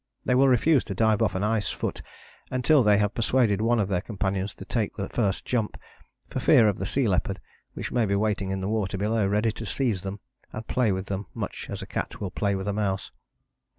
They will refuse to dive off an ice foot until they have persuaded one of their companions to take the first jump, for fear of the sea leopard which may be waiting in the water below, ready to seize them and play with them much as a cat will play with a mouse.